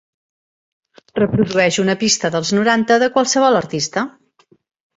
Reprodueix una pista dels noranta de qualsevol artista